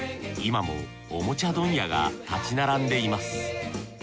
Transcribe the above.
今もおもちゃ問屋が建ち並んでいます。